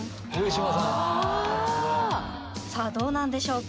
さぁどうなんでしょうか？